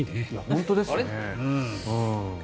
本当ですね。